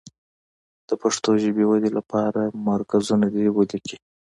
د پښتو ژبې ودې لپاره مرکزونه دې ولیکي.